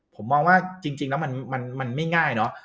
ผมมองว่าจริงแล้วมันไม่ง่ายเนอะ